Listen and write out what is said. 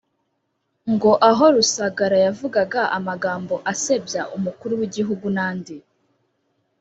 ngo aho Rusagara yavugaga amagambo asebya Umukuru w’Igihugu n’andi